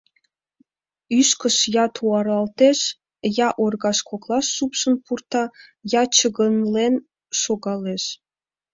Ӱшкыж я туаралтеш, я оргаж коклаш шупшын пурта, я чыгынлен шогалеш.